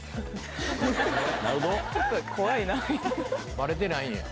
バレてないんや。